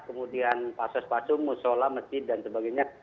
kemudian pasos pasum musola mesin dan sebagainya